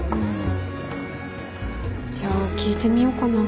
じゃあ聞いてみようかな。